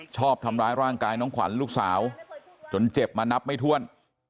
ชอบทำร้ายร่างกายน้องขวัญลูกสาวจนเจ็บมานับไม่ถ้วน